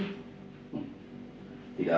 bagaimana mas dik bisa masuk